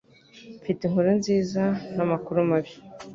Mfite inkuru nziza namakuru mabi